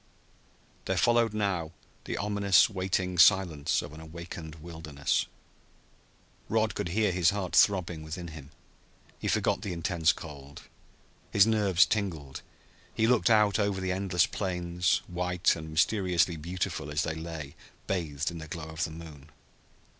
There followed now the ominous, waiting silence of an awakened wilderness. Rod could hear his heart throbbing within him. He forgot the intense cold. His nerves tingled. He looked out over the endless plains, white and mysteriously beautiful as they lay bathed in the glow of the moon.